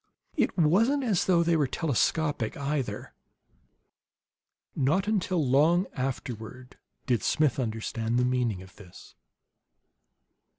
It wasn't as though they were telescopic, either. Not until long afterward did Smith understand the meaning of this.